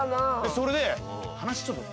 それで。